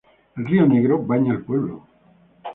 El río Negro baña el pueblo.